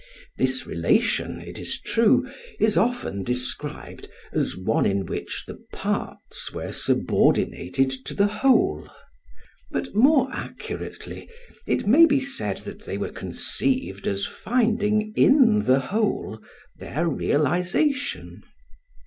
This relation, it is true, is often described as one in which the parts were subordinated to the whole; but more accurately it may be said that they were conceived as finding in the whole their realisation.